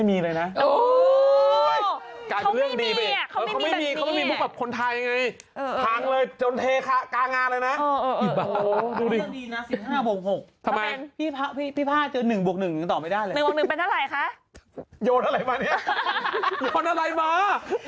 สมมุติอย่างเนี้ยแค่ย่อนไหนมา